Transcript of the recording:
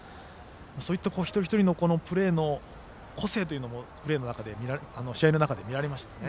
そういった一人一人のプレーの個性も試合の中で見られましたね。